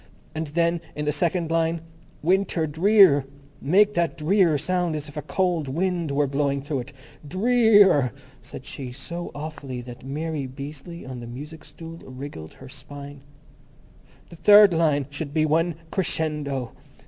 And then in the second line, Winter Drear, make that Drear sound as if a cold wind were blowing through it. Dre ear!" said she so awfully that Mary Beazley, on the music stool, wriggled her spine. "The third line should be one crescendo.